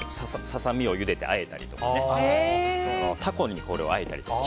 ささ身をゆでてあえたりとかタコにこれをあえたりとか。